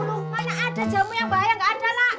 mana ada jamu yang bahaya ga ada nak